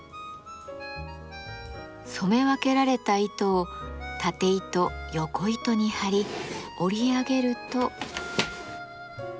染め分けられた糸をたて糸よこ糸に張り織り上げると。